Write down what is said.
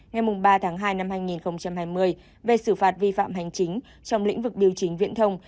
ngày ba tháng hai năm hai nghìn hai mươi về xử phạt vi phạm hành chính trong lĩnh vực biểu chính viễn thông